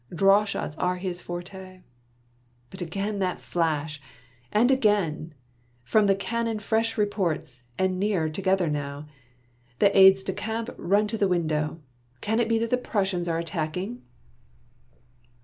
Draw shots are his forte ! But again that flash, and again ! From the can non fresh reports, and nearer together now. The aides de camp run to the window. Can it be that the Prussians are attacking?